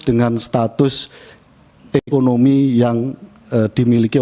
dengan status ekonomi yang dimiliki